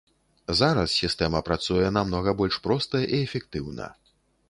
Зараз сістэма працуе намнога больш проста і эфектыўна.